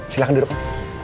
silahkan duduk om